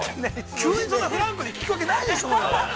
急にフランクに聞くわけないでしょう。